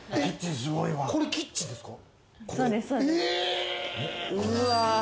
これキッチンですか？